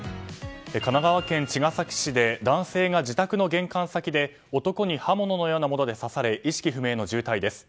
神奈川県茅ヶ崎市で男性が自宅の玄関先で男に刃物のようなもので刺され意識不明の重体です。